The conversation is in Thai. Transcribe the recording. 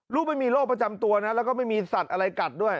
ไม่มีโรคประจำตัวนะแล้วก็ไม่มีสัตว์อะไรกัดด้วย